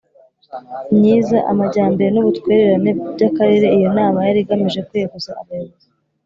myiza amajyambere n ubutwererane by Akarere Iyo nama yari igamije kweguza abayobozi